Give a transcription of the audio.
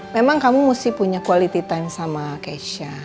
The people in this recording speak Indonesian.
memang kamu mesti punya quality time sama keisha